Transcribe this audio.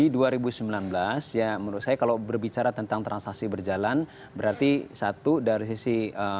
di dua ribu sembilan belas ya menurut saya kalau berbicara tentang transaksi berjalan berarti satu dari sisi